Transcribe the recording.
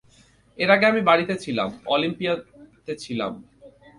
এর আগে আমি বাড়িতে, অলিম্পিয়াতে ছিলাম।